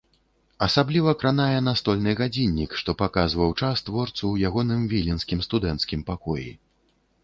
Асабліва кранае настольны гадзіннік, што паказваў час творцу ў ягоным віленскім студэнцкім пакоі.